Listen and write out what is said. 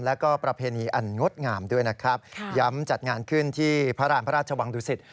แล้วก็ประเพณีอันงดงามด้วยนะครับย้ำจัดงานขึ้นที่พระราณพระราชวังดุสิต